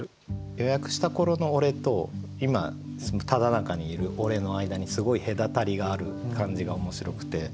予約した頃の俺と今ただ中にいる俺の間にすごい隔たりがある感じが面白くて。